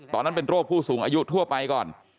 ตอนนั้นเป็นโรคผู้สูงอายุทั่วไปก่อน